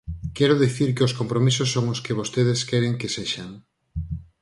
Quero dicir que os compromisos son os que vostedes queren que sexan.